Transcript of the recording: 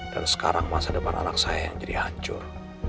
dan sekarang masa depan anak saya yang jadi hancur